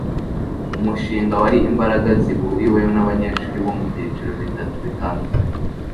umushinga wari imbaraga zihuriweho nabanyeshuri bo mubyiciro bitatu bitandukanye